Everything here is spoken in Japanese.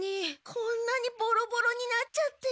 こんなにボロボロになっちゃって。